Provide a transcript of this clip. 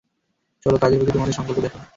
চলো, কাজের প্রতি তোমাদের সংকল্প দেখাও।